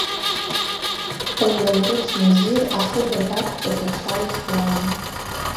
Лгӏвамрычв Назир ахыга даквчӏвата чва йхуан.